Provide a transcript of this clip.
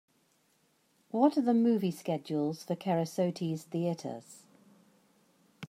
What are the movie schedules for Kerasotes Theatres